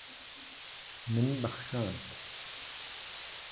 Min bexşand.